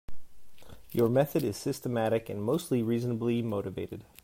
Your method is systematic and mostly reasonably motivated.